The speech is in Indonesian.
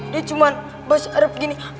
dia cuma bahasa arab gini